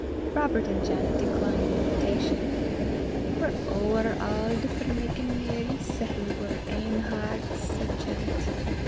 Robert and Janet declined the invitation. "We're ower auld for makin' merry 'cep in oor ain herts," said Janet.